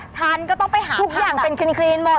ฉันก็ต้องไปหาทุกอย่างเป็นครีนหมด